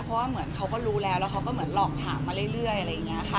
เพราะว่าเขาก็รู้แล้วแล้วเขาก็เหมือนหลอกถามมาเรื่อย